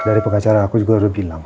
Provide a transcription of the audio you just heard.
dari pengacara aku juga udah bilang